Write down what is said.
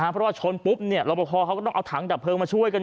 เพราะชนปุ๊บเนี่ยระบบพอเขาต้องเอาถังดับเพลิงมาช่วยกัน